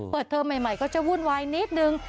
เปิดเทิมใหม่ก็จะวุ่นวายนิดหนึ่ง